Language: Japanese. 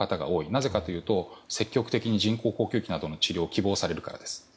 なぜかというと積極的に人工呼吸器などの治療を希望されるからです。